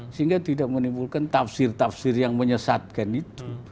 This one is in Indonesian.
sehingga tidak menimbulkan tafsir tafsir yang menyesatkan itu